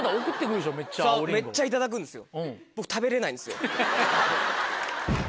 めっちゃ頂くんですよ。